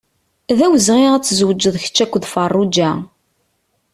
D awezɣi ad tzewǧeḍ kečč akked Ferruǧa.